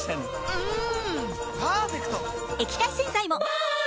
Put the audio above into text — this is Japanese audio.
うん。